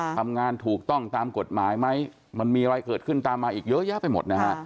ทำงานถูกต้องตามกฎหมายไหมมันมีอะไรเกิดขึ้นตามมาอีกเยอะแยะไปหมดนะฮะ